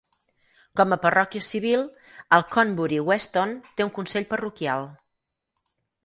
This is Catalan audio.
Com a parròquia civil, Alconbury Weston té un consell parroquial.